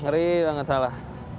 ngeri banget salah